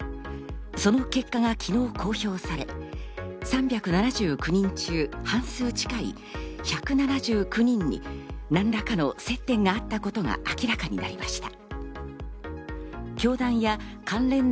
その結果が昨日公表され、３７９人中、半数近い１７９人に何らかの接点があったことが明らかになりました。